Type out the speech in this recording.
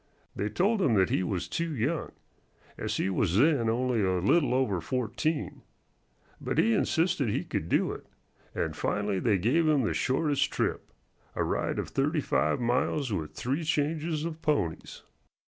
They told him that he was too young, as he was then only a little over fourteen. But he insisted he could do it, and finally they gave him the shortest trip, a ride of thirty five miles with three changes of ponies.